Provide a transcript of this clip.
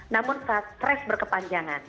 namun saat stres berkepanjangan